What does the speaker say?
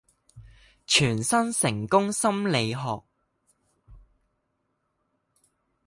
全新成功心理學